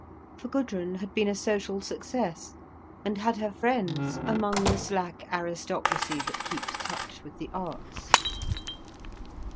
For Gudrun had been a social success, and had her friends among the slack aristocracy that keeps touch with the arts.